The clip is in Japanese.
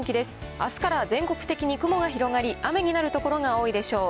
あすから全国的に雲が広がり、雨になる所が多いでしょう。